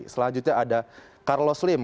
selanjutnya ada carlos slim